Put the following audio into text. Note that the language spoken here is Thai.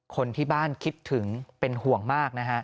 คนที่บ้านคิดถึงเป็นห่วงมากนะฮะ